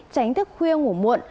tránh thức khuya ngủ muộn